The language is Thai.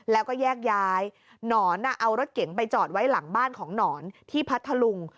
แล้วก็แยกย้ายหนอนเอารถเก๋งไปจอดไว้หลังบ้านของหนอนที่พัทธลุง